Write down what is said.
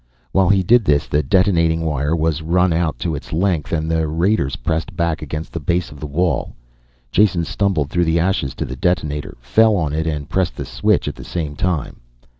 While he did this the detonating wire was run out to its length and the raiders pressed back against the base of the wall. Jason stumbled through the ashes to the detonator, fell on it and pressed the switch at the same time.